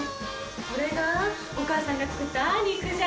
これがお母さんが作った肉じゃがです。